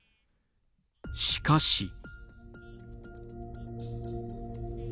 しかし。